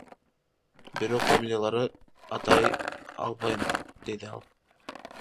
Бирок фамилияларын атай албайм, — деди ал.